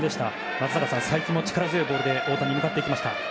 松坂さん、才木も力強いボールで大谷に向かっていきました。